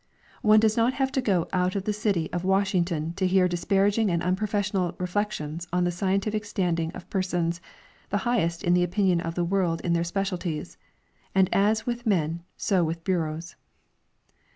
One does not have to go out of the city of Wash ington to hear disparaging and unprofessional reflections on the scientific standing of persons, the highest in the opinion of the world in their specialties ; and as with men, so with l:)ureaus.